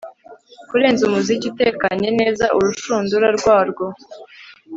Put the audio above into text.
Kurenza umuziki utekanye neza urushundura rwarwo